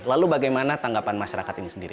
lalu bagaimana tanggapan masyarakat ini sendiri